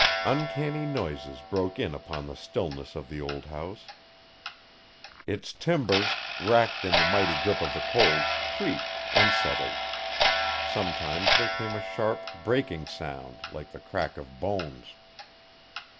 Uncanny noises broke in upon the stillness of the old house. Its timbers, racked in the mighty grip of the cold, creaked and settled. Sometimes there came a sharp, breaking sound, like the crack of bones.